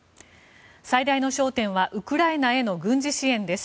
最大の焦点はウクライナへの軍事支援です。